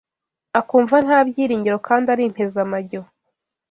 akumva nta byiringiro kandi ari impezamajyo